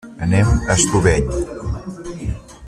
Anem a Estubeny.